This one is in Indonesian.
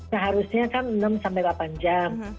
seharusnya kan enam sampai delapan jam